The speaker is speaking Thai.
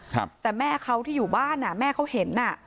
ครับแต่แม่เขาที่อยู่บ้านอ่ะแม่เขาเห็นอ่ะ